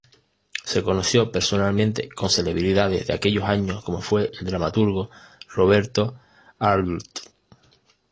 Se conoció personalmente con celebridades de aquellos años como fue el dramaturgo Roberto Arlt.